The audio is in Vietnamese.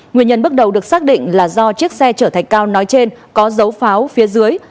nguyên nhân bước đầu được xác định là do chiếc xe chở thạch cao nói trên có dấu pháo phía dưới